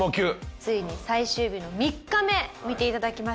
ついに最終日の３日目見て頂きましたが。